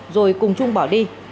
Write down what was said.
rồi cùng trung bỏ đi